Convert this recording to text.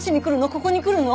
ここに来るの？